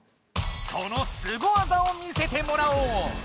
そのスゴ技を見せてもらおう。